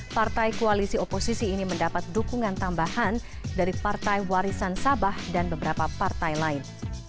partai koalisi oposisi ini mendapat dukungan tambahan dari partai warisan sabah dan beberapa partai lain